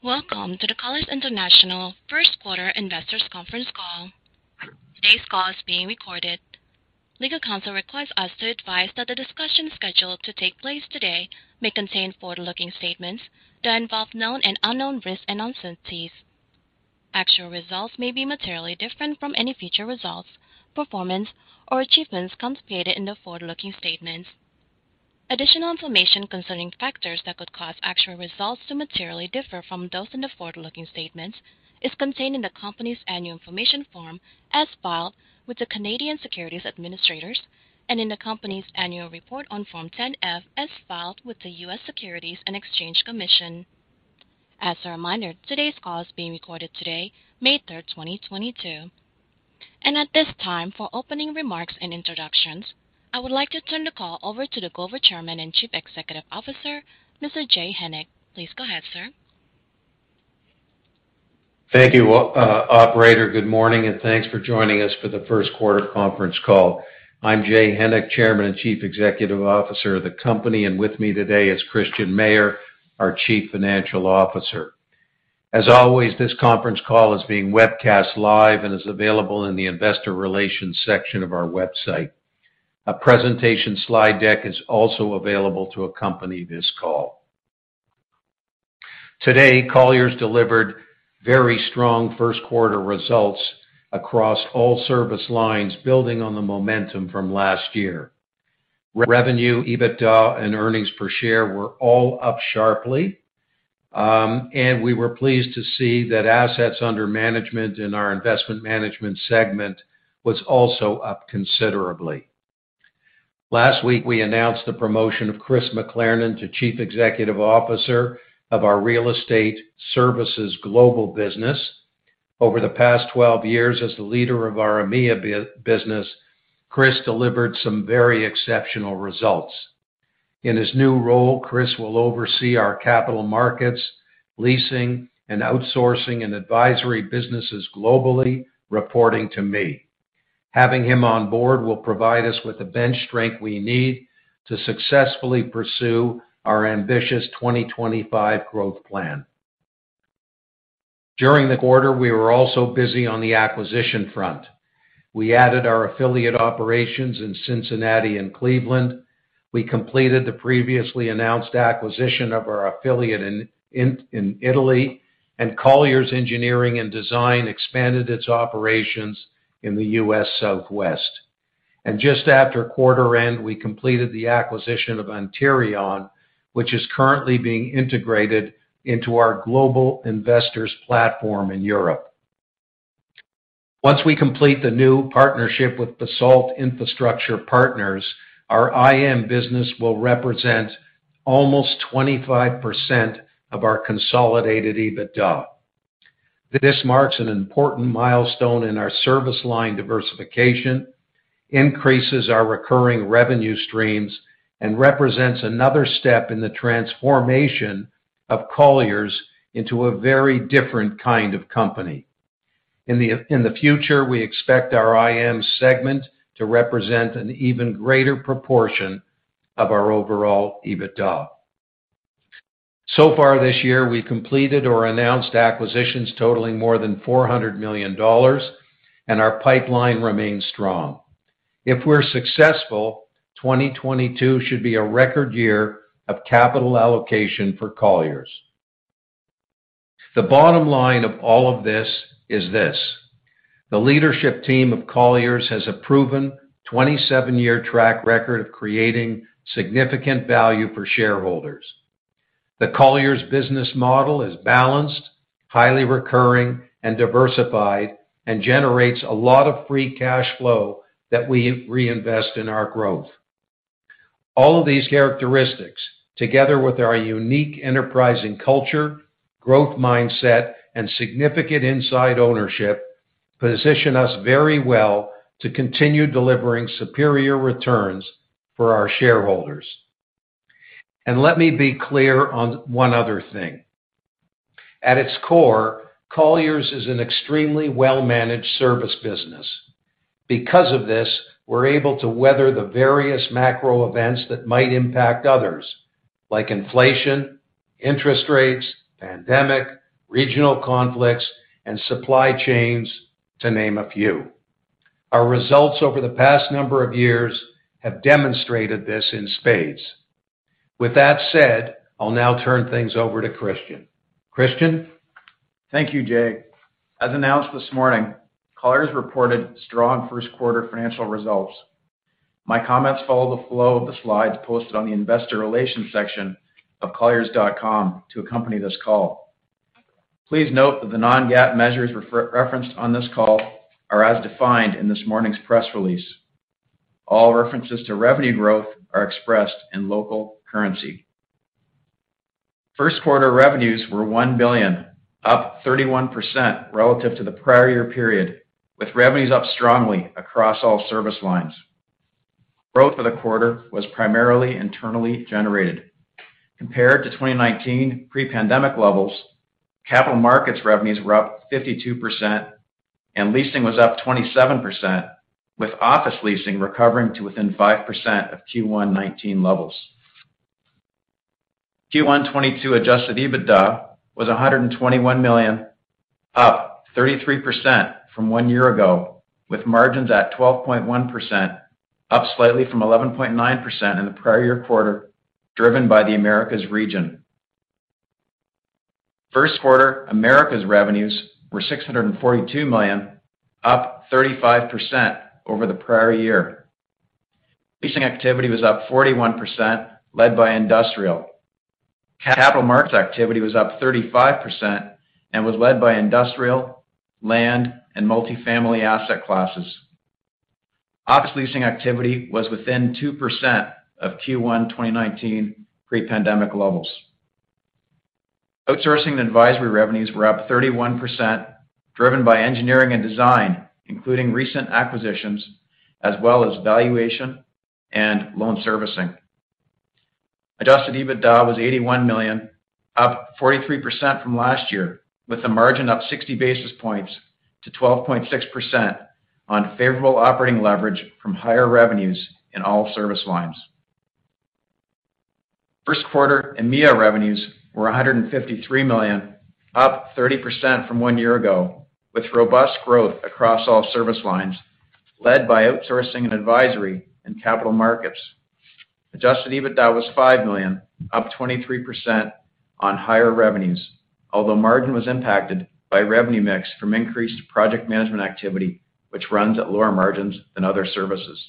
Welcome to the Colliers International First Quarter Investors Conference Call. Today's call is being recorded. Legal counsel requires us to advise that the discussion scheduled to take place today may contain forward-looking statements that involve known and unknown risks and uncertainties. Actual results may be materially different from any future results, performance or achievements contemplated in the forward-looking statements. Additional information concerning factors that could cause actual results to materially differ from those in the forward-looking statements is contained in the company's annual information form as filed with the Canadian Securities Administrators and in the company's annual report on Form 40-F as filed with the U.S. Securities and Exchange Commission. As a reminder, today's call is being recorded today, May 3, 2022. At this time, for opening remarks and introductions, I would like to turn the call over to the global chairman and chief executive officer, Mr. Jay Hennick. Please go ahead, sir. Thank you, operator. Good morning, and thanks for joining us for the first quarter conference call. I'm Jay Hennick, Chairman and Chief Executive Officer of the company. With me today is Christian Mayer, our Chief Financial Officer. As always, this conference call is being webcast live and is available in the investor relations section of our website. A presentation slide deck is also available to accompany this call. Today, Colliers delivered very strong first quarter results across all service lines, building on the momentum from last year. Revenue, EBITDA and earnings per share were all up sharply. We were pleased to see that assets under management in our investment management segment was also up considerably. Last week, we announced the promotion of Chris McLernon to Chief Executive Officer of our Real Estate Services global business. Over the past 12 years as the leader of our EMEA business, Chris delivered some very exceptional results. In his new role, Chris will oversee our capital markets, leasing and outsourcing and advisory businesses globally, reporting to me. Having him on board will provide us with the bench strength we need to successfully pursue our ambitious 2025 growth plan. During the quarter, we were also busy on the acquisition front. We added our affiliate operations in Cincinnati and Cleveland. We completed the previously announced acquisition of our affiliate in Italy, and Colliers Engineering & Design expanded its operations in the U.S. Southwest. Just after quarter end, we completed the acquisition of Antirion, which is currently being integrated into our global investors platform in Europe. Once we complete the new partnership with Basalt Infrastructure Partners, our IM business will represent almost 25% of our consolidated EBITDA. This marks an important milestone in our service line diversification, increases our recurring revenue streams, and represents another step in the transformation of Colliers into a very different kind of company. In the future, we expect our IM segment to represent an even greater proportion of our overall EBITDA. So far this year, we completed or announced acquisitions totaling more than $400 million, and our pipeline remains strong. If we're successful, 2022 should be a record year of capital allocation for Colliers. The bottom line of all of this is this. The leadership team of Colliers has a proven 27-year track record of creating significant value for shareholders. The Colliers business model is balanced, highly recurring and diversified, and generates a lot of free cash flow that we reinvest in our growth. All of these characteristics, together with our unique enterprising culture, growth mindset and significant inside ownership, position us very well to continue delivering superior returns for our shareholders. Let me be clear on one other thing. At its core, Colliers is an extremely well-managed service business. Because of this, we're able to weather the various macro events that might impact others, like inflation, interest rates, pandemic, regional conflicts, and supply chains, to name a few. Our results over the past number of years have demonstrated this in spades. With that said, I'll now turn things over to Christian. Christian. Thank you, Jay. As announced this morning, Colliers reported strong first quarter financial results. My comments follow the flow of the slides posted on the investor relations section of colliers.com to accompany this call. Please note that the non-GAAP measures referenced on this call are as defined in this morning's press release. All references to revenue growth are expressed in local currency. First quarter revenues were $1 billion, up 31% relative to the prior year period, with revenues up strongly across all service lines. Growth for the quarter was primarily internally generated. Compared to 2019 pre-pandemic levels, capital markets revenues were up 52%. Leasing was up 27%, with office leasing recovering to within 5% of Q1 2019 levels. Q1 2022 adjusted EBITDA was $121 million, up 33% from one year ago, with margins at 12.1%, up slightly from 11.9% in the prior year quarter, driven by the Americas region. First quarter Americas revenues were $642 million, up 35% over the prior year. Leasing activity was up 41%, led by industrial. Capital markets activity was up 35% and was led by industrial, land, and multifamily asset classes. Office leasing activity was within 2% of Q1 2019 pre-pandemic levels. Outsourcing and advisory revenues were up 31%, driven by engineering and design, including recent acquisitions as well as valuation and loan servicing. Adjusted EBITDA was $81 million, up 43% from last year, with the margin up 60 basis points to 12.6% on favorable operating leverage from higher revenues in all service lines. First quarter EMEIA revenues were $153 million, up 30% from one year ago, with robust growth across all service lines, led by outsourcing and advisory in capital markets. Adjusted EBITDA was $5 million, up 23% on higher revenues. Although margin was impacted by revenue mix from increased project management activity, which runs at lower margins than other services.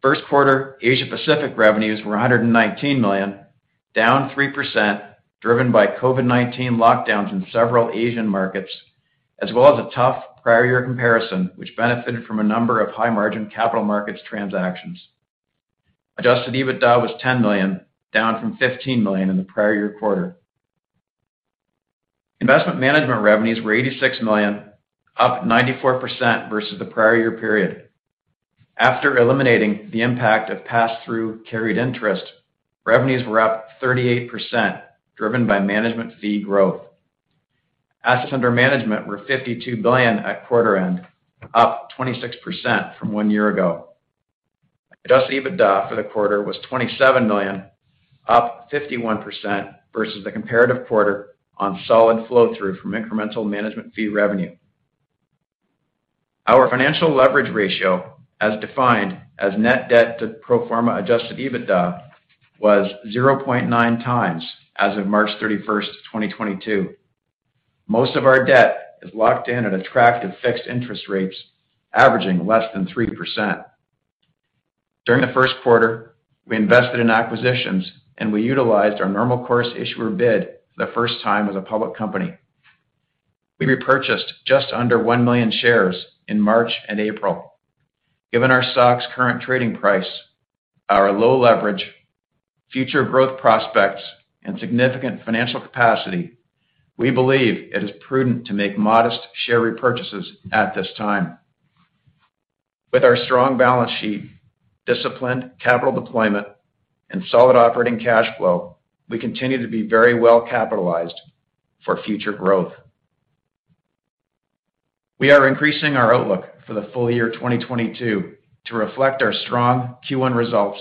First quarter Asia Pacific revenues were $119 million, down 3%, driven by COVID-19 lockdowns in several Asian markets, as well as a tough prior year comparison, which benefited from a number of high-margin capital markets transactions. Adjusted EBITDA was $10 million, down from $15 million in the prior year quarter. Investment management revenues were $86 million, up 94% versus the prior year period. After eliminating the impact of pass-through carried interest, revenues were up 38%, driven by management fee growth. Assets under management were $52 billion at quarter end, up 26% from one year ago. Adjusted EBITDA for the quarter was $27 million, up 51% versus the comparative quarter on solid flow-through from incremental management fee revenue. Our financial leverage ratio, as defined as net debt to pro forma adjusted EBITDA, was 0.9x as of March 31, 2022. Most of our debt is locked in at attractive fixed interest rates, averaging less than 3%. During the first quarter, we invested in acquisitions, and we utilized our normal course issuer bid for the first time as a public company. We repurchased just under 1 million shares in March and April. Given our stock's current trading price, our low leverage, future growth prospects, and significant financial capacity, we believe it is prudent to make modest share repurchases at this time. With our strong balance sheet, disciplined capital deployment, and solid operating cash flow, we continue to be very well-capitalized for future growth. We are increasing our outlook for the full year 2022 to reflect our strong Q1 results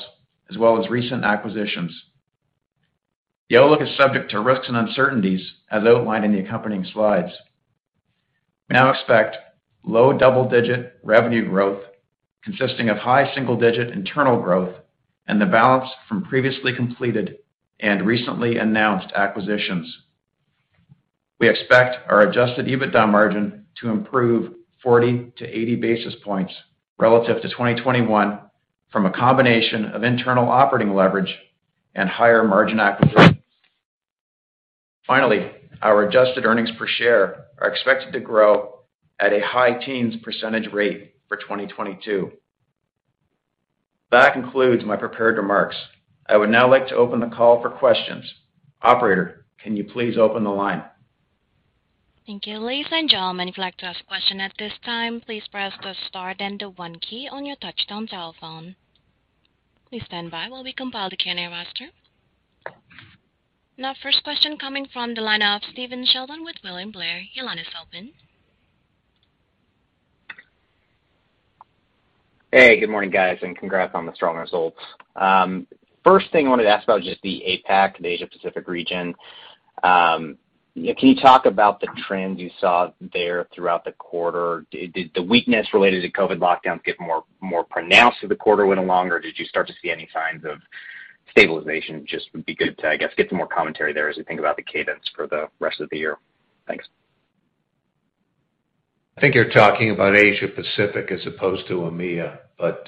as well as recent acquisitions. The outlook is subject to risks and uncertainties as outlined in the accompanying slides. We now expect low double-digit revenue growth consisting of high single-digit internal growth and the balance from previously completed and recently announced acquisitions. We expect our adjusted EBITDA margin to improve 40 to 80 basis points relative to 2021 from a combination of internal operating leverage and higher margin acquisitions. Finally, our adjusted earnings per share are expected to grow at a high teens % rate for 2022. That concludes my prepared remarks. I would now like to open the call for questions. Operator, can you please open the line? Thank you. Ladies and gentlemen, if you'd like to ask a question at this time, please press the star then the one key on your touchtone telephone. Please stand by while we compile the Q&A roster. Now first question coming from the line of Stephen Sheldon with William Blair. Your line is open. Hey, good morning, guys, and congrats on the strong results. First thing I wanted to ask about is just the APAC, the Asia Pacific region. Can you talk about the trends you saw there throughout the quarter? Did the weakness related to COVID-19 lockdowns get more pronounced as the quarter went along? Or did you start to see any signs of stabilization? Just would be good to, I guess, get some more commentary there as we think about the cadence for the rest of the year. Thanks. I think you're talking about Asia Pacific as opposed to EMEIA, but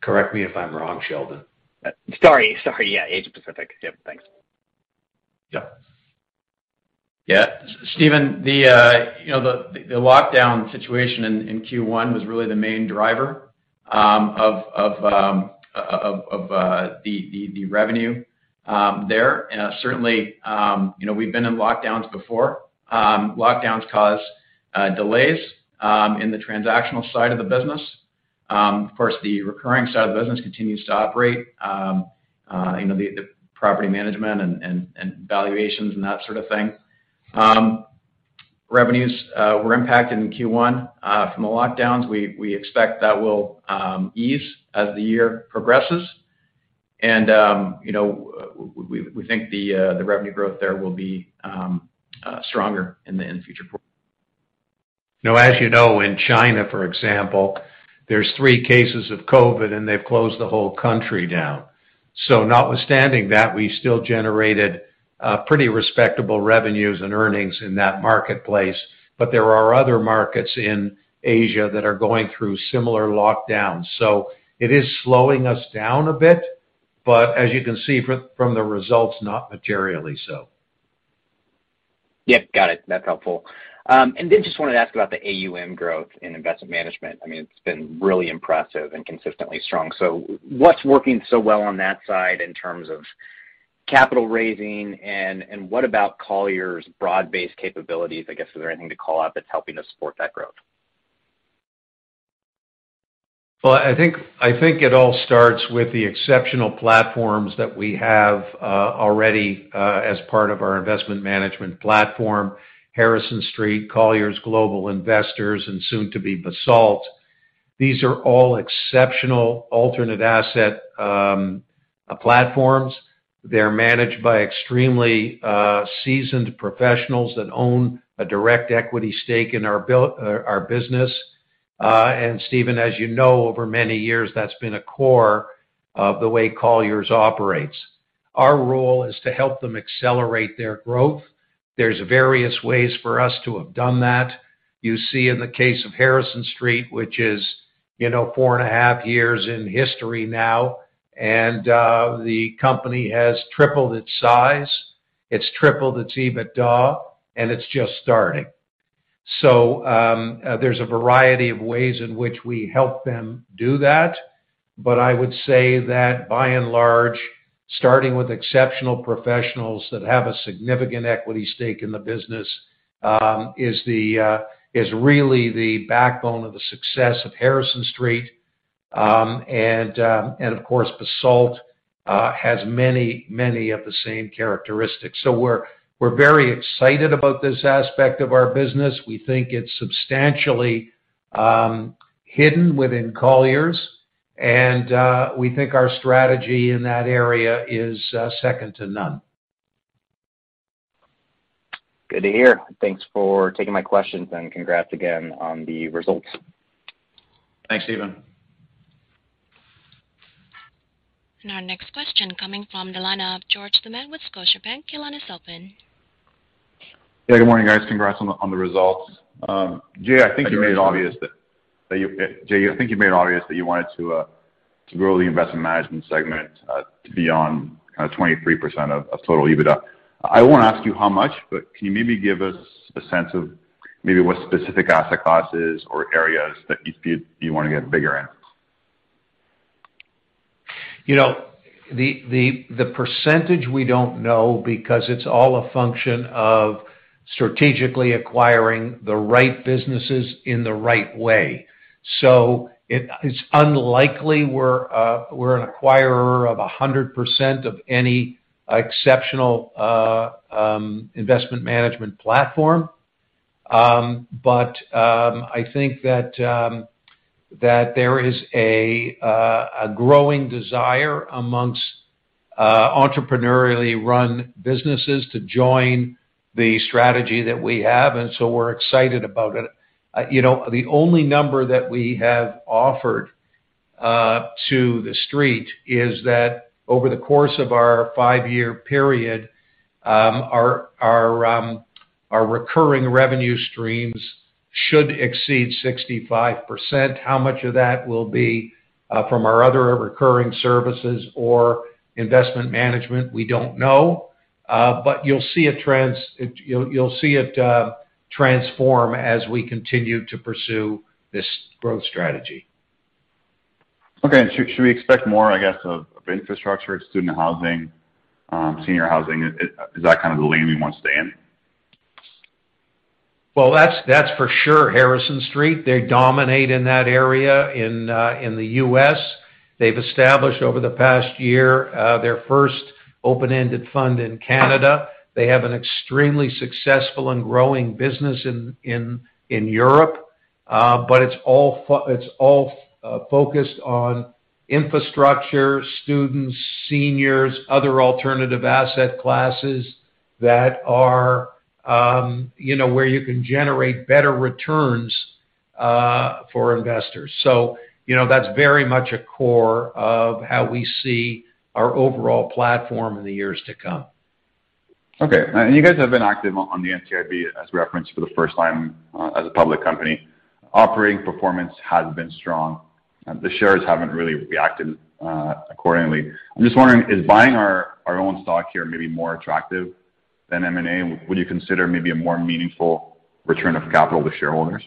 correct me if I'm wrong, Sheldon. Sorry. Yeah. Asia Pacific. Yeah. Thanks. Steven, the lockdown situation in Q1 was really the main driver of the revenue there. Certainly, we've been in lockdowns before. Lockdowns cause delays in the transactional side of the business. Of course, the recurring side of the business continues to operate, the property management and valuations and that sort of thing. Revenues were impacted in Q1 from the lockdowns. We expect that will ease as the year progresses. We think the revenue growth there will be stronger in the future. No, as you know, in China, for example, there's three cases of COVID, and they've closed the whole country down. Notwithstanding that, we still generated pretty respectable revenues and earnings in that marketplace. But there are other markets in Asia that are going through similar lockdowns. It is slowing us down a bit, but as you can see from the results, not materially so. Yeah, got it. That's helpful. Just wanna ask about the AUM growth in investment management. I mean, it's been really impressive and consistently strong. What's working so well on that side in terms of capital raising, and what about Colliers' broad-based capabilities? I guess, is there anything to call out that's helping to support that growth? Well, I think it all starts with the exceptional platforms that we have already as part of our investment management platform, Harrison Street, Colliers Global Investors, and soon to be Basalt. These are all exceptional alternative asset platforms. They're managed by extremely seasoned professionals that own a direct equity stake in our business. Steven, as you know, over many years, that's been a core of the way Colliers operates. Our role is to help them accelerate their growth. There's various ways for us to have done that. You see in the case of Harrison Street, which is, you know, 4.5 years into its history now, and the company has tripled its size. It's tripled its EBITDA, and it's just starting. There's a variety of ways in which we help them do that, but I would say that by and large, starting with exceptional professionals that have a significant equity stake in the business is really the backbone of the success of Harrison Street. Of course, Basalt has many, many of the same characteristics. We're very excited about this aspect of our business. We think it's substantially hidden within Colliers. We think our strategy in that area is second to none. Good to hear. Thanks for taking my questions, and congrats again on the results. Thanks, Stephen. Our next question coming from the line of George Doumet with Scotiabank. Your line is open. Yeah, good morning, guys. Congrats on the results. Jay, I think you made it obvious that you wanted to grow the investment management segment to beyond kind of 23% of total EBITDA. I won't ask you how much, but can you maybe give us a sense of maybe what specific asset classes or areas that you feel you wanna get bigger in? You know, the percentage we don't know because it's all a function of strategically acquiring the right businesses in the right way. It's unlikely we're an acquirer of 100% of any exceptional investment management platform. I think that there is a growing desire amongst entrepreneurially run businesses to join the strategy that we have, and we're excited about it. You know, the only number that we have offered to the street is that over the course of our five-year period, our recurring revenue streams should exceed 65%. How much of that will be from our other recurring services or investment management, we don't know. You'll see it transform as we continue to pursue this growth strategy. Okay. Should we expect more, I guess, of infrastructure, student housing, senior housing? Is that kind of the lane we want to stay in? Well, that's for sure Harrison Street. They dominate in that area in the U.S. They've established over the past year their first open-ended fund in Canada. They have an extremely successful and growing business in Europe. But it's all focused on infrastructure, students, seniors, other alternative asset classes that are, you know, where you can generate better returns for investors. You know, that's very much a core of how we see our overall platform in the years to come. Okay. You guys have been active on the NCIB, as referenced for the first time as a public company. Operating performance has been strong, and the shares haven't really reacted accordingly. I'm just wondering, is buying our own stock here maybe more attractive than M&A? Would you consider maybe a more meaningful return of capital to shareholders?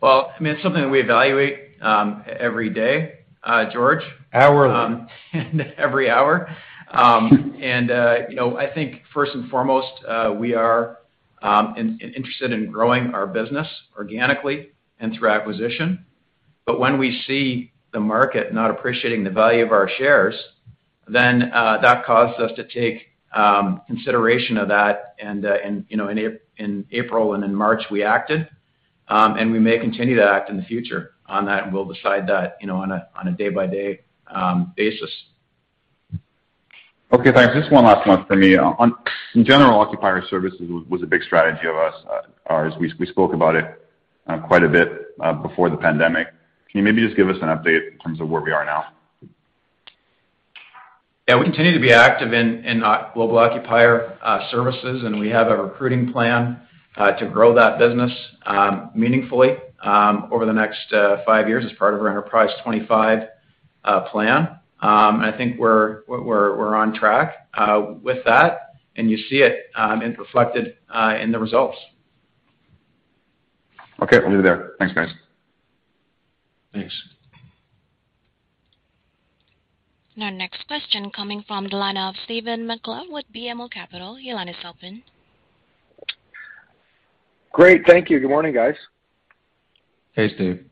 Well, I mean, it's something we evaluate every day, George. Hourly. Every hour. You know, I think first and foremost, we are interested in growing our business organically and through acquisition. But when we see the market not appreciating the value of our shares, then that causes us to take consideration of that. You know, in April and in March, we acted, and we may continue to act in the future on that, and we'll decide that, you know, on a day-by-day basis. Okay, thanks. Just one last one for me. In general, occupier services was a big strategy of ours. We spoke about it quite a bit before the pandemic. Can you maybe just give us an update in terms of where we are now? Yeah, we continue to be active in global occupier services, and we have a recruiting plan to grow that business meaningfully over the next five years as part of our Enterprise '25 plan. I think we're on track with that, and you see it's reflected in the results. Okay, I'll leave it there. Thanks, guys. Thanks. Now, next question coming from the line of Stephen Sheldon with BMO Capital Markets. Your line is open. Great. Thank you. Good morning, guys. Hey, Steve.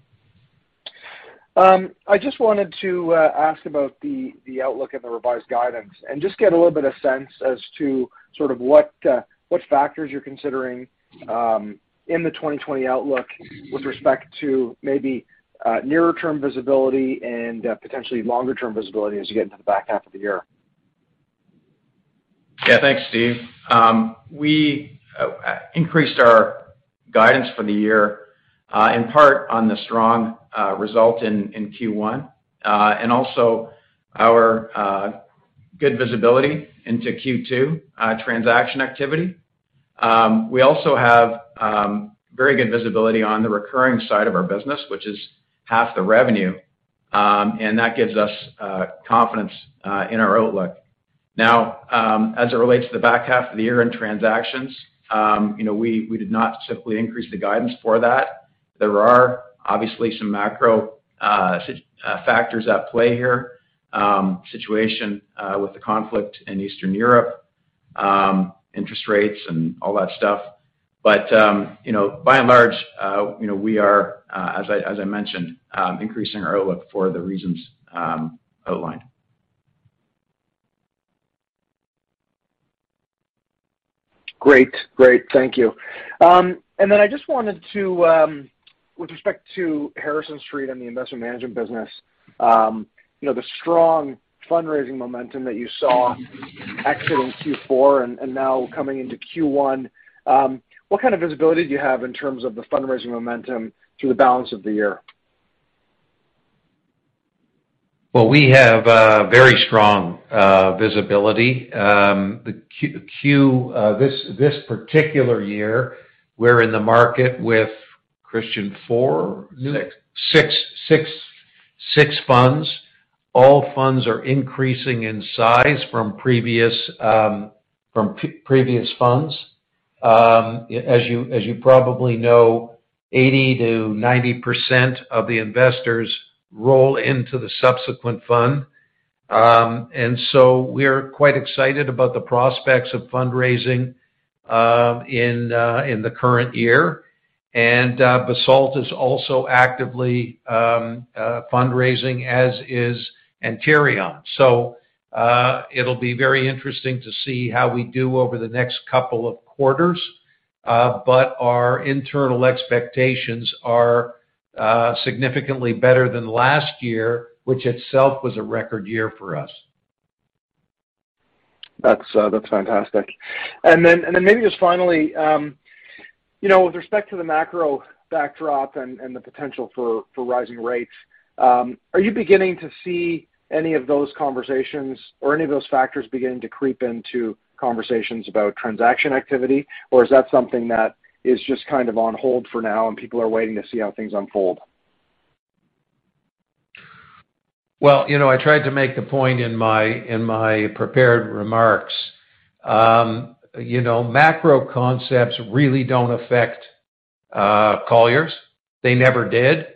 I just wanted to ask about the outlook of the revised guidance and just get a little bit of sense as to sort of what factors you're considering in the 2020 outlook with respect to maybe nearer term visibility and potentially longer term visibility as you get into the back half of the year. Yeah. Thanks, Steve. We increased our guidance for the year in part on the strong result in Q1 and also our good visibility into Q2 transaction activity. We also have very good visibility on the recurring side of our business, which is half the revenue, and that gives us confidence in our outlook. Now, as it relates to the back half of the year in transactions, you know, we did not simply increase the guidance for that. There are obviously some macro factors at play here, situation with the conflict in Eastern Europe, interest rates and all that stuff. You know, by and large, you know, we are as I mentioned increasing our outlook for the reasons outlined. Great. Thank you. I just wanted to, with respect to Harrison Street and the investment management business, you know, the strong fundraising momentum that you saw exit in Q4 and now coming into Q1, what kind of visibility do you have in terms of the fundraising momentum through the balance of the year? Well, we have a very strong visibility. This particular year, we're in the market with Christian for? Six. Six funds. All funds are increasing in size from previous funds. As you probably know, 80% to 90% of the investors roll into the subsequent fund. We're quite excited about the prospects of fundraising in the current year. Basalt is also actively fundraising, as is Antirion. It'll be very interesting to see how we do over the next couple of quarters. Our internal expectations are significantly better than last year, which itself was a record year for us. That's fantastic. Maybe just finally, you know, with respect to the macro backdrop and the potential for rising rates, are you beginning to see any of those conversations or any of those factors beginning to creep into conversations about transaction activity, or is that something that is just kind of on hold for now and people are waiting to see how things unfold? Well, you know, I tried to make the point in my prepared remarks. You know, macro concepts really don't affect Colliers. They never did.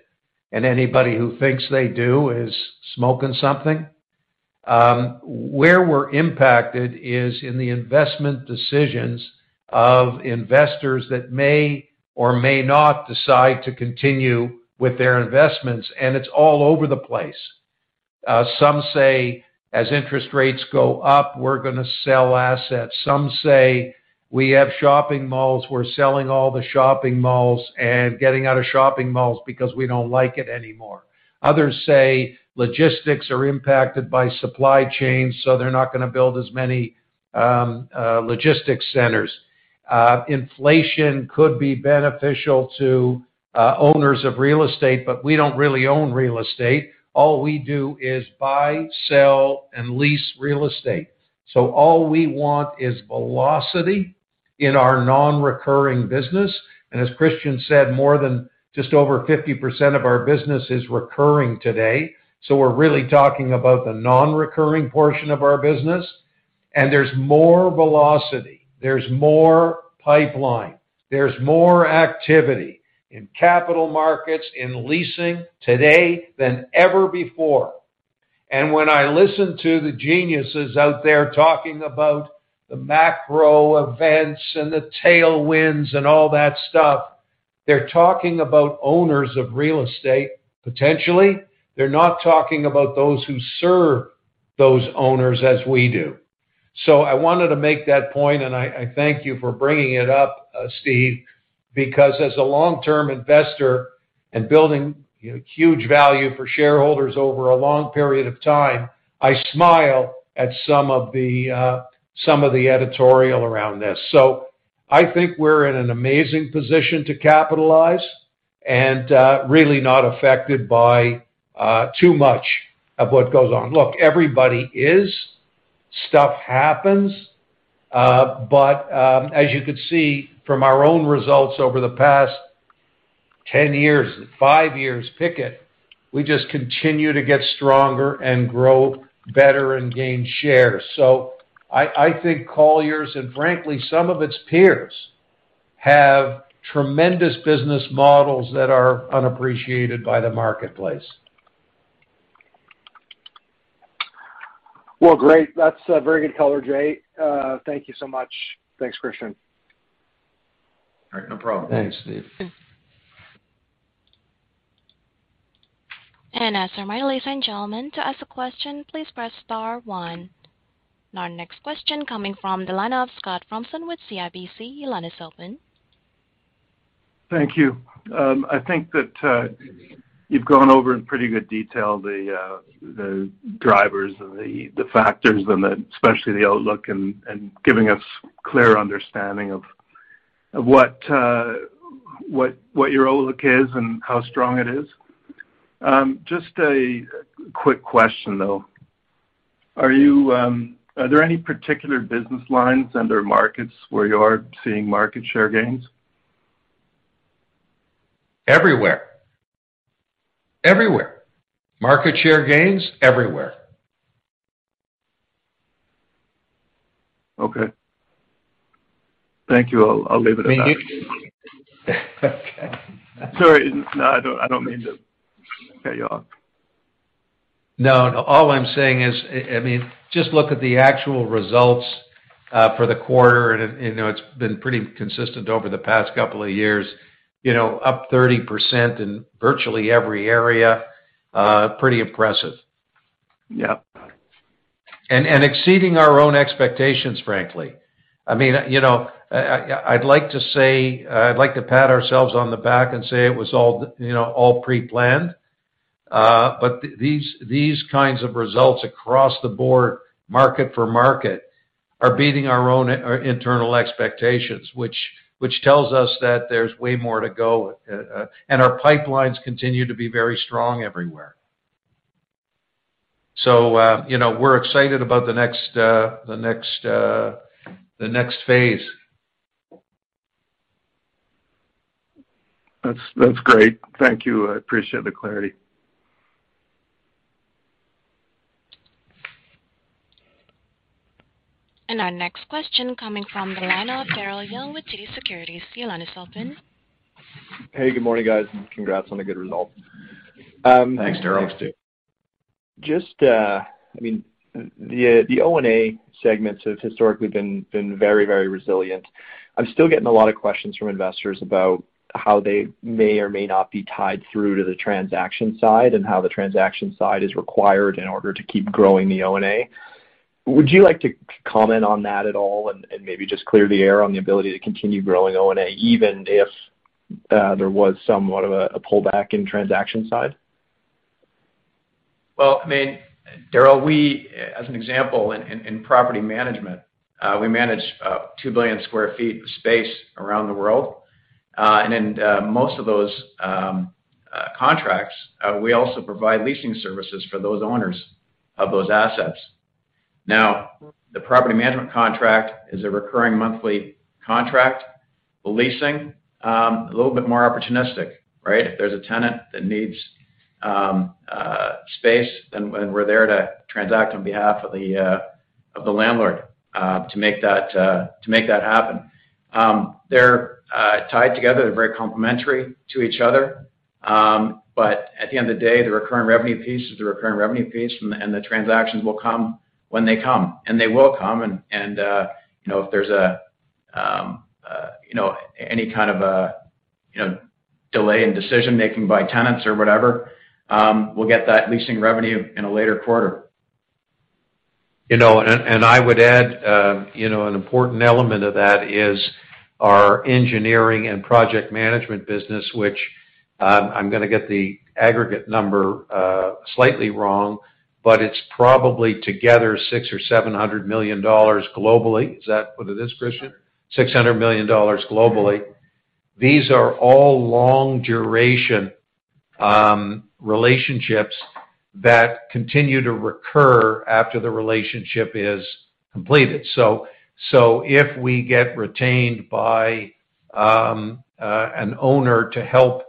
Anybody who thinks they do is smoking something. Where we're impacted is in the investment decisions of investors that may or may not decide to continue with their investments, and it's all over the place. Some say, as interest rates go up, we're gonna sell assets. Some say, we have shopping malls, we're selling all the shopping malls and getting out of shopping malls because we don't like it anymore. Others say, logistics are impacted by supply chains, so they're not gonna build as many logistics centers. Inflation could be beneficial to owners of real estate, but we don't really own real estate. All we do is buy, sell, and lease real estate. All we want is velocity in our non-recurring business. As Christian said, more than just over 50% of our business is recurring today, so we're really talking about the non-recurring portion of our business. There's more velocity, there's more pipeline, there's more activity in capital markets, in leasing today than ever before. When I listen to the geniuses out there talking about the macro events and the tailwinds and all that stuff, they're talking about owners of real estate, potentially. They're not talking about those who serve those owners as we do. I wanted to make that point, and I thank you for bringing it up, Steve, because as a long-term investor and building huge value for shareholders over a long period of time, I smile at some of the editorial around this. I think we're in an amazing position to capitalize and, really not affected by, too much of what goes on. Look, everybody is, stuff happens. As you can see from our own results over the past 10 years, 5 years, pick it, we just continue to get stronger and grow better and gain shares. I think Colliers and frankly, some of its peers have tremendous business models that are unappreciated by the marketplace. Well, great. That's a very good color, Jay. Thank you so much. Thanks, Christian. All right. No problem. Thanks, Stephen. Ladies and gentlemen, to ask a question, please press star one. Our next question coming from the line of Scott Fromson with CIBC. Your line is open. Thank you. I think that you've gone over in pretty good detail the drivers and the factors and especially the outlook and giving us clear understanding of what your outlook is and how strong it is. Just a quick question, though. Are there any particular business lines under markets where you are seeing market share gains? Everywhere. Market share gains? Everywhere. Okay. Thank you. I'll leave it at that. Okay. Sorry. No, I don't mean to cut you off. No, no. All I'm saying is, I mean, just look at the actual results for the quarter, you know, it's been pretty consistent over the past couple of years. You know, up 30% in virtually every area. Pretty impressive. Yep. Exceeding our own expectations, frankly. I mean, you know, I'd like to say, I'd like to pat ourselves on the back and say it was all, you know, all preplanned. These kinds of results across the board, market for market, are beating our own internal expectations, which tells us that there's way more to go. Our pipelines continue to be very strong everywhere. You know, we're excited about the next phase. That's great. Thank you. I appreciate the clarity. Our next question coming from the line of Daryl Young with TD Securities. Your line is open. Hey, good morning, guys. Congrats on a good result. Thanks, Daryl. Thanks, Steve. Just, I mean, the O&A segment has historically been very resilient. I'm still getting a lot of questions from investors about how they may or may not be tied through to the transaction side and how the transaction side is required in order to keep growing the O&A. Would you like to comment on that at all and maybe just clear the air on the ability to continue growing O&A, even if there was somewhat of a pullback in transaction side? Well, I mean, Darryl, we as an example, in property management, we manage 2 billion sq ft of space around the world. In most of those contracts, we also provide leasing services for those owners of those assets. Now, the property management contract is a recurring monthly contract. The leasing a little bit more opportunistic, right? If there's a tenant that needs space, then we're there to transact on behalf of the landlord to make that happen. They're tied together. They're very complementary to each other. At the end of the day, the recurring revenue piece is the recurring revenue piece, and the transactions will come when they come, and they will come, you know, if there's any kind of a delay in decision-making by tenants or whatever, we'll get that leasing revenue in a later quarter. I would add an important element of that is our engineering and project management business, which I'm gonna get the aggregate number slightly wrong, but it's probably together $600 to 700 million globally. Is that what it is, Christian? $600 million globally. These are all long-duration relationships that continue to recur after the relationship is completed. If we get retained by an owner to help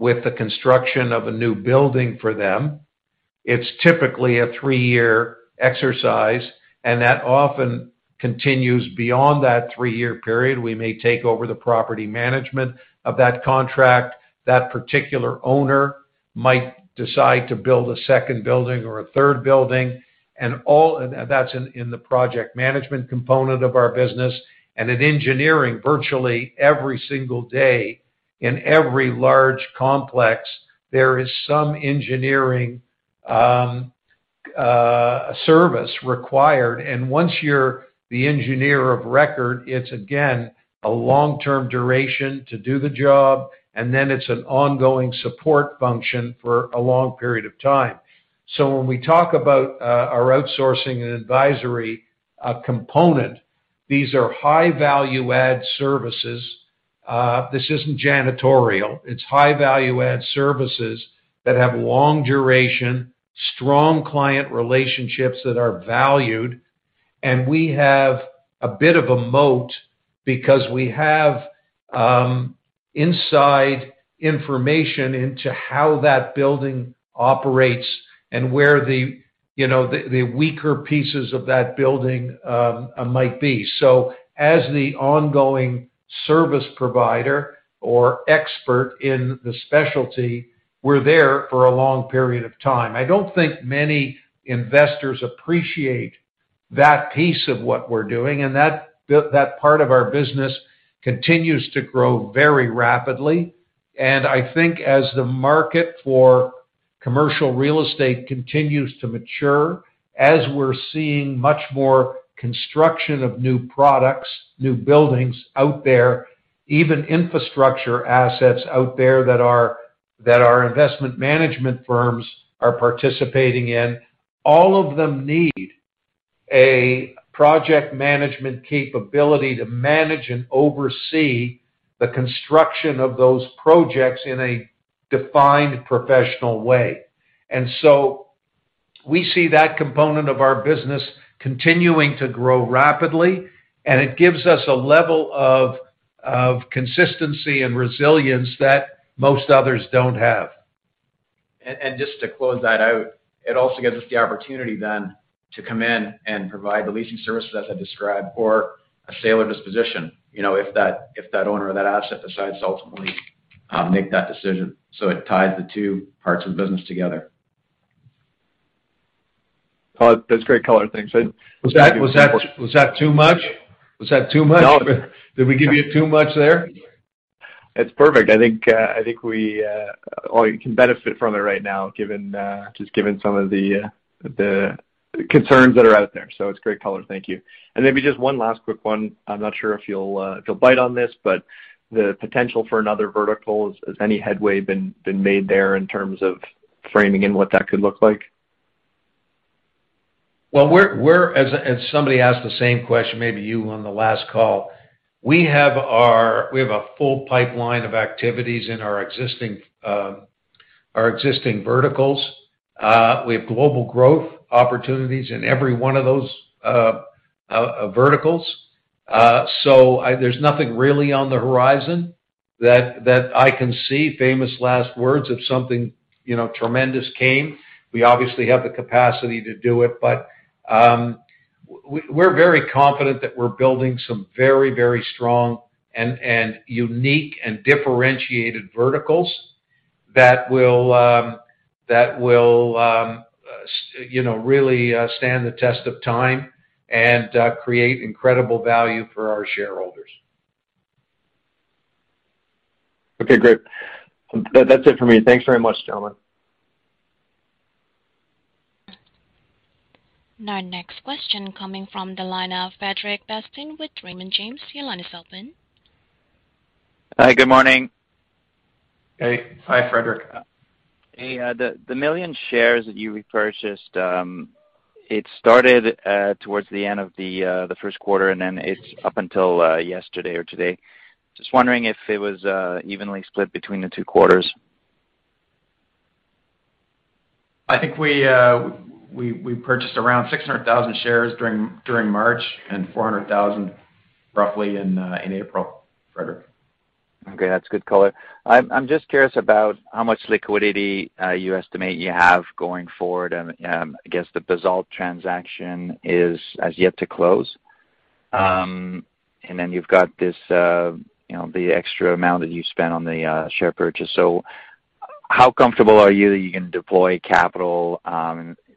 with the construction of a new building for them, it's typically a three-year exercise, and that often continues beyond that three-year period. We may take over the property management of that contract. That particular owner might decide to build a second building or a third building. That's in the project management component of our business. In engineering, virtually every single day in every large complex, there is some engineering service required. Once you're the engineer of record, it's again, a long-term duration to do the job, and then it's an ongoing support function for a long period of time. When we talk about our outsourcing and advisory component, these are high value-add services. This isn't janitorial. It's high value-add services that have long duration, strong client relationships that are valued. We have a bit of a moat because we have inside information into how that building operates and where the, you know, the weaker pieces of that building might be. As the ongoing service provider or expert in the specialty, we're there for a long period of time. I don't think many investors appreciate that piece of what we're doing, and that part of our business continues to grow very rapidly. I think as the market for commercial real estate continues to mature, as we're seeing much more construction of new products, new buildings out there, even infrastructure assets out there that our investment management firms are participating in, all of them need a project management capability to manage and oversee the construction of those projects in a defined professional way. We see that component of our business continuing to grow rapidly, and it gives us a level of consistency and resilience that most others don't have. Just to close that out, it also gives us the opportunity then to come in and provide the leasing services, as I described, or a sale or disposition, you know, if that owner of that asset decides to ultimately make that decision. It ties the two parts of the business together. Oh, that's great color. Thanks. Was that too much? No. Did we give you too much there? It's perfect. I think or you can benefit from it right now, given just some of the concerns that are out there. So it's great color. Thank you. Maybe just one last quick one. I'm not sure if you'll bite on this, but the potential for another vertical, has any headway been made there in terms of framing and what that could look like? Well, as somebody asked the same question, maybe you on the last call, we have a full pipeline of activities in our existing verticals. We have global growth opportunities in every one of those verticals. There's nothing really on the horizon that I can see, famous last words, if something you know, tremendous came, we obviously have the capacity to do it. We're very confident that we're building some very strong and unique and differentiated verticals that will you know, really stand the test of time and create incredible value for our shareholders. Okay, great. That's it for me. Thanks very much, gentlemen. Our next question coming from the line of Frederic Bastien with Raymond James. Your line is open. Hi, good morning. Hey. Hi, Frederic. Hey. The 1 million shares that you repurchased, it started towards the end of the first quarter, and then it's up until yesterday or today. Just wondering if it was evenly split between the two quarters. I think we purchased around 600,000 shares during March and roughly 400,000 in April, Frederic. Okay. That's good color. I'm just curious about how much liquidity you estimate you have going forward. I guess the Basalt transaction has yet to close. Then you've got this, you know, the extra amount that you spent on the share purchase. How comfortable are you that you can deploy capital,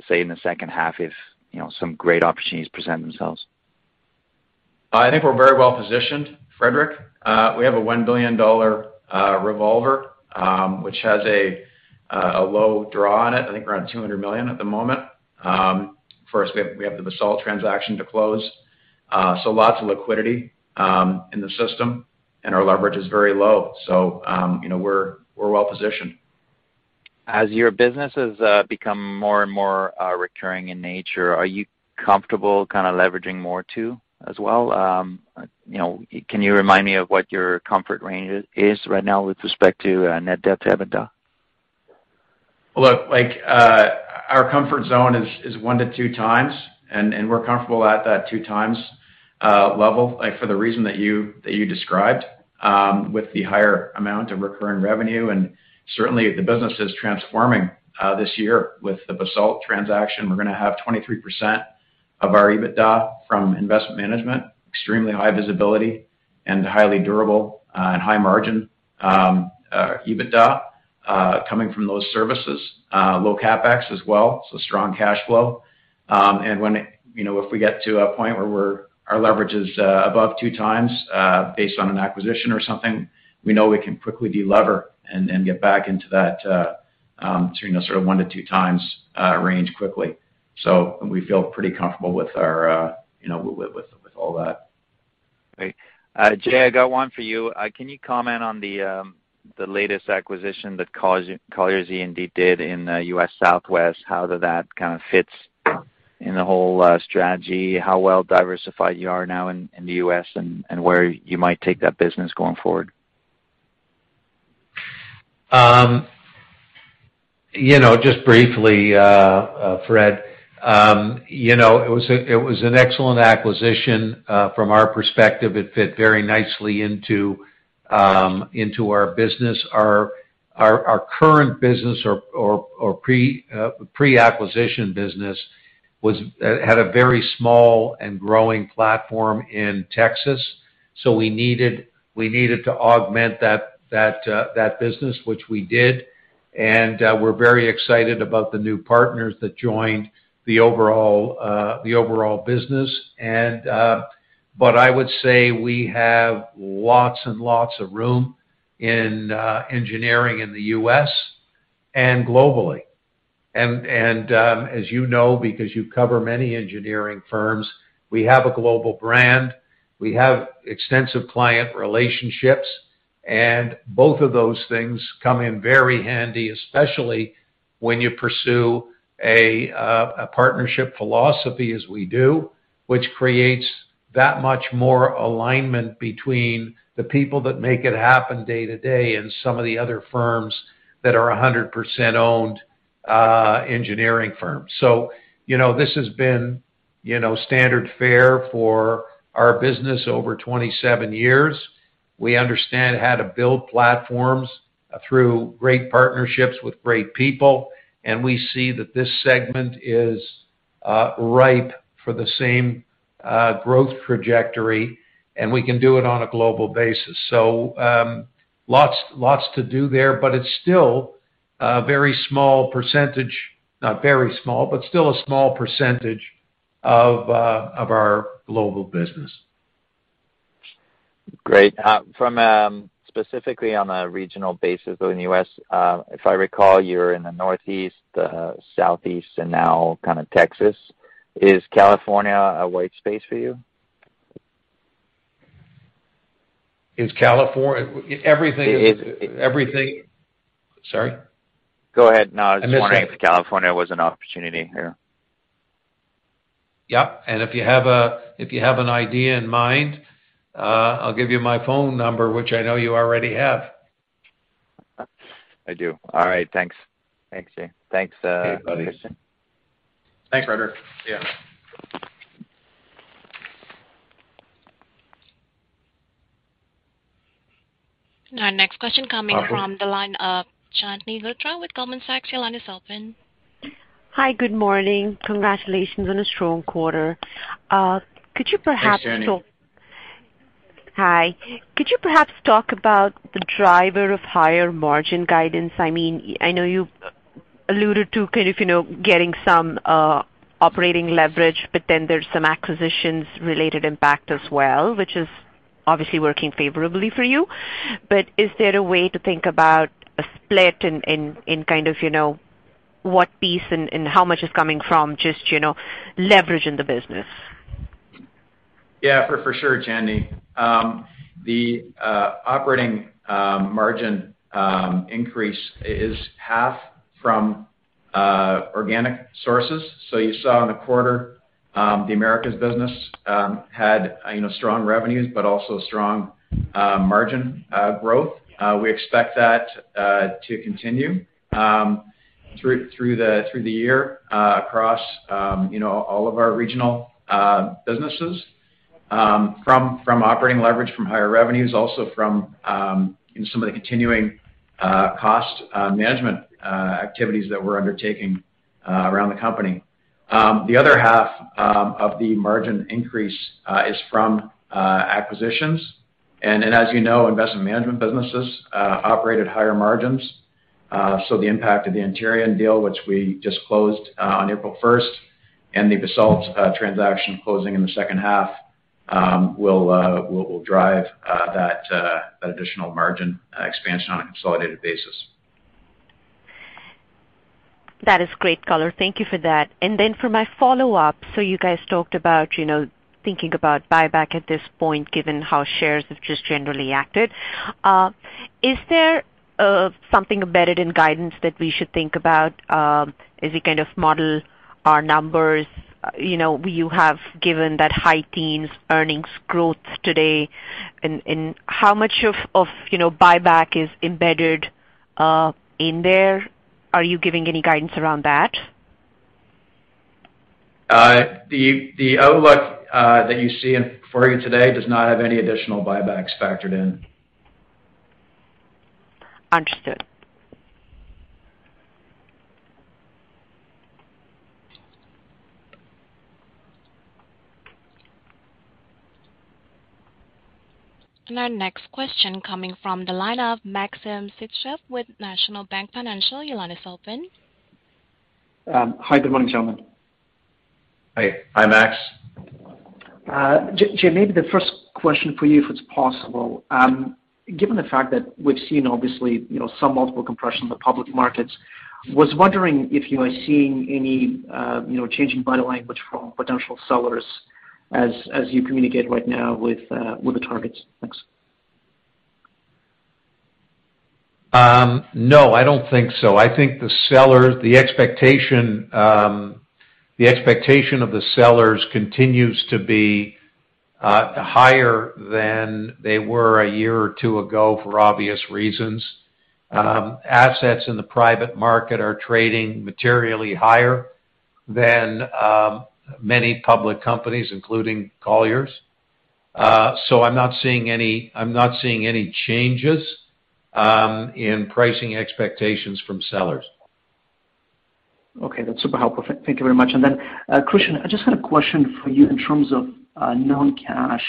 say, in the second half if you know some great opportunities present themselves? I think we're very well positioned, Frederic. We have a $1 billion revolver, which has a low draw on it. I think around $200 million at the moment. First we have the Basalt transaction to close. Lots of liquidity in the system, and our leverage is very low. You know, we're well positioned. As your businesses become more and more recurring in nature, are you comfortable kind of leveraging more too as well? You know, can you remind me of what your comfort range is right now with respect to net debt to EBITDA? Look, like, our comfort zone is 1 to 2x, and we're comfortable at that 2x level, like, for the reason that you described, with the higher amount of recurring revenue. Certainly, the business is transforming this year with the Basalt transaction. We're gonna have 23% of our EBITDA from investment management, extremely high visibility and highly durable, and high margin EBITDA coming from those services. Low CapEx as well, so strong cash flow. You know, if we get to a point where our leverage is above 2 times, based on an acquisition or something, we know we can quickly delever and get back into that, you know, sort of 1 to 2x range quickly. We feel pretty comfortable with our, you know, with all that. Great. Jay, I got one for you. Can you comment on the latest acquisition that Colliers E&D did in U.S. Southwest, how that kind of fits in the whole strategy, how well diversified you are now in the U.S. and where you might take that business going forward? You know, just briefly, Fred. You know, it was an excellent acquisition. From our perspective, it fit very nicely into our business. Our current business or pre-acquisition business had a very small and growing platform in Texas. So we needed to augment that business, which we did. We're very excited about the new partners that joined the overall business. But I would say we have lots and lots of room in engineering in the U.S. and globally. As you know, because you cover many engineering firms, we have a global brand. We have extensive client relationships, and both of those things come in very handy, especially when you pursue a partnership philosophy as we do, which creates that much more alignment between the people that make it happen day to day and some of the other firms that are 100% owned engineering firms. You know, this has been, you know, standard fare for our business over 27 years. We understand how to build platforms through great partnerships with great people, and we see that this segment is ripe for the same growth trajectory, and we can do it on a global basis. Lots to do there, but it's still a very small percentage. Not very small, but still a small percentage of our global business. Great. From specifically on a regional basis in the U.S., if I recall, you're in the Northeast, Southeast, and now kind of Texas. Is California a white space for you? Is Califor... Everything- Is, is- Sorry? Go ahead. No, I was just wondering. I missed that. If California was an opportunity here. Yeah. If you have an idea in mind, I'll give you my phone number, which I know you already have. I do. All right. Thanks. Thanks, Jay. Thanks, Christian. Okay, buddy. Thanks, Frederic. See ya. Our next question coming from the line of Chandni Luthra with Goldman Sachs. Your line is open. Hi, good morning. Congratulations on a strong quarter. Could you perhaps talk- Thanks, Chandni. Hi. Could you perhaps talk about the driver of higher margin guidance? I mean, I know you alluded to kind of, you know, getting some operating leverage, but then there's some acquisitions related impact as well, which is obviously working favorably for you. Is there a way to think about a split in kind of, you know, what piece and how much is coming from just, you know, leverage in the business? Yeah, for sure, Chandni. The operating margin increase is half from organic sources. You saw in the quarter, the Americas business had, you know, strong revenues, but also strong margin growth. We expect that to continue through the year across, you know, all of our regional businesses from operating leverage from higher revenues, also from some of the continuing cost management activities that we're undertaking around the company. The other half of the margin increase is from acquisitions. Then, as you know, investment management businesses operate at higher margins. The impact of the Antirion deal, which we just closed on April first, and the Basalt transaction closing in the second half, will drive that additional margin expansion on a consolidated basis. That is great color. Thank you for that. For my follow-up, you guys talked about, you know, thinking about buyback at this point, given how shares have just generally acted. Is there something embedded in guidance that we should think about as we kind of model our numbers? You know, you have given that high teens earnings growth today. How much of you know, buyback is embedded in there? Are you giving any guidance around that? The outlook that you see in front of you today does not have any additional buybacks factored in. Understood. Our next question coming from the line of Maxim Sytchev with National Bank Financial. Your line is open. Hi, good morning, gentlemen. Hi. Hi, Max. Jim, maybe the first question for you if it's possible. Given the fact that we've seen obviously, you know, some multiple compression in the public markets, was wondering if you are seeing any, you know, changing body language from potential sellers as you communicate right now with the targets? Thanks. No, I don't think so. I think the expectation of the sellers continues to be higher than they were a year or two ago for obvious reasons. Assets in the private market are trading materially higher than many public companies, including Colliers. I'm not seeing any changes in pricing expectations from sellers. Okay. That's super helpful. Thank you very much. Christian, I just had a question for you in terms of non-cash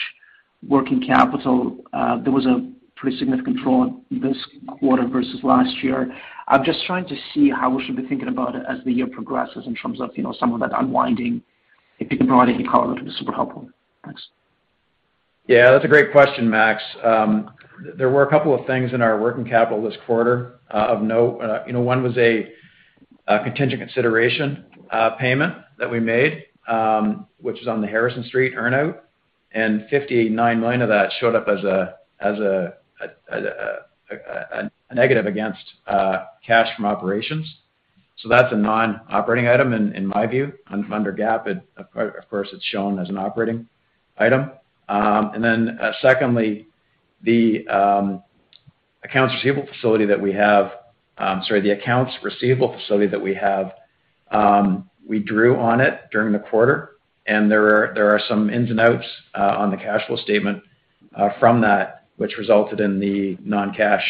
working capital. There was a pretty significant draw this quarter versus last year. I'm just trying to see how we should be thinking about it as the year progresses in terms of, you know, some of that unwinding. If you can provide any color, that would be super helpful. Thanks. Yeah, that's a great question, Max. There were a couple of things in our working capital this quarter of note. You know, one was a contingent consideration payment that we made, which is on the Harrison Street earnout. $59 million of that showed up as a negative against cash from operations. That's a non-operating item in my view. Under GAAP, it of course is shown as an operating item. Secondly, the accounts receivable facility that we have, we drew on it during the quarter, and there are some ins and outs on the cash flow statement from that, which resulted in the non-cash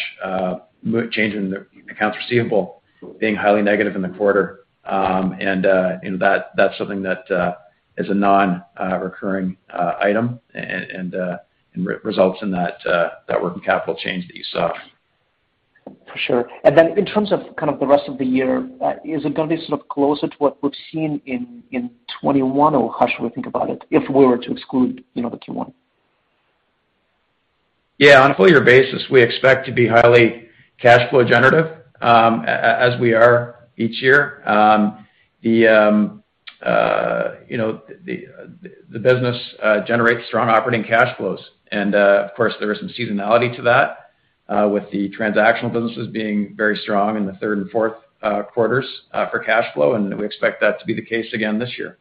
change in the accounts receivable being highly negative in the quarter. That's something that is a non-recurring item and results in that working capital change that you saw. For sure. In terms of kind of the rest of the year, is it gonna be sort of closer to what we've seen in 2021, or how should we think about it if we were to exclude, you know, the Q1? Yeah. On a full year basis, we expect to be highly cash flow generative, as we are each year. You know, the business generates strong operating cash flows. Of course, there is some seasonality to that, with the transactional businesses being very strong in the third and fourth quarters for cash flow, and we expect that to be the case again this year.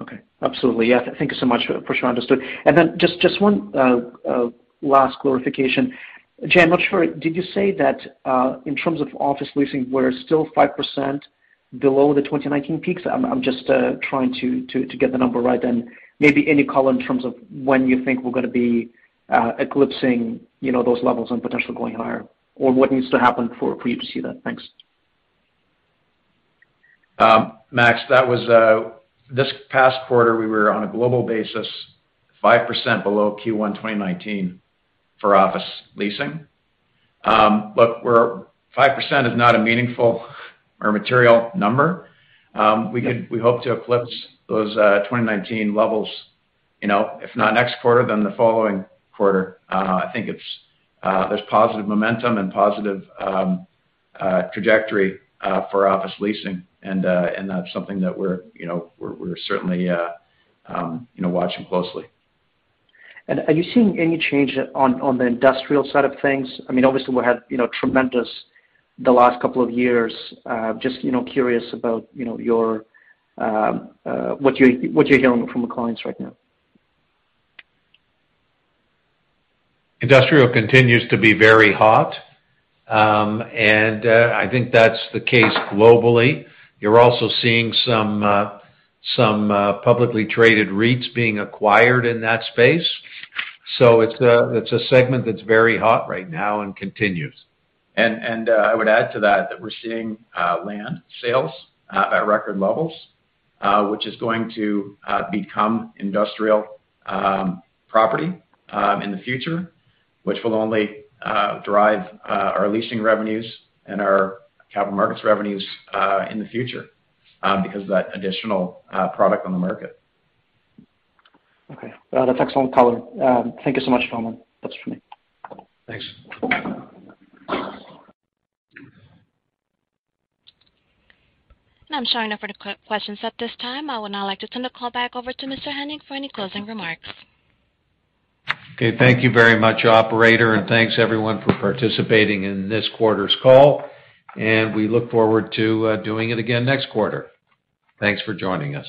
Okay. Absolutely. Yeah. Thank you so much. Appreciate. Understood. Just one last clarification. Jim, I'm not sure, did you say that in terms of office leasing, we're still 5% below the 2019 peaks? I'm just trying to get the number right, and maybe any color in terms of when you think we're gonna be eclipsing, you know, those levels and potentially going higher. Or what needs to happen for you to see that. Thanks. Max, that was. This past quarter, we were on a global basis, 5% below Q1 2019 for office leasing. Look, 5% is not a meaningful or material number. We could- Okay. We hope to eclipse those 2019 levels, you know, if not next quarter, then the following quarter. I think it's, there's positive momentum and positive trajectory for office leasing, and that's something that we're, you know, certainly, you know, watching closely. Are you seeing any change on the industrial side of things? I mean, obviously we had, you know, tremendous the last couple of years. Just, you know, curious about, you know, what you're hearing from the clients right now. Industrial continues to be very hot. I think that's the case globally. You're also seeing some publicly traded REITs being acquired in that space. It's a segment that's very hot right now and continues. I would add to that we're seeing land sales at record levels, which is going to become industrial property in the future, which will only drive our leasing revenues and our capital markets revenues in the future because of that additional product on the market. Okay. That's excellent color. Thank you so much, gentlemen. That's it for me. Thanks. I'm showing no further questions at this time. I would now like to turn the call back over to Mr. Henning for any closing remarks. Okay. Thank you very much, operator, and thanks everyone for participating in this quarter's call, and we look forward to doing it again next quarter. Thanks for joining us.